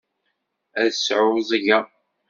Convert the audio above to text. Ad sɛuẓẓgeɣ.